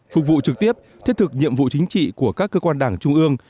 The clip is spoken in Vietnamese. phục vụ trực tiếp thiết thực nhiệm vụ chính trị của các cơ quan đảng trung ương